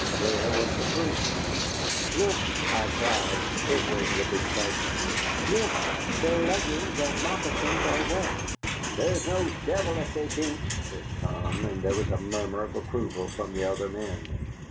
Where was the proof? "Look!" I cried, quivering with excitement; "look, their leggings and moccasins are wet!" "There's no devil if they beant!" said Tom, and there was a murmur of approval from the other men.